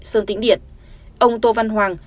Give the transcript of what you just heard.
sơn tính điện ông tô văn hoàng